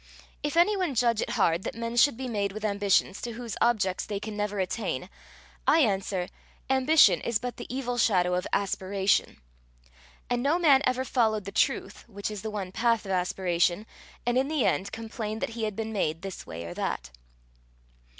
If any one judge it hard that men should be made with ambitions to whose objects they can never attain, I answer, ambition is but the evil shadow of aspiration; and no man ever followed the truth, which is the one path of aspiration, and in the end complained that he had been made this way or that.